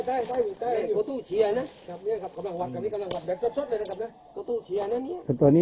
เหลืองเท้าอย่างนั้น